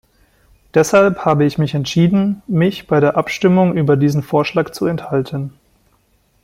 Deshalb habe ich mich entschieden, mich bei der Abstimmung über diesen Vorschlag zu enthalten.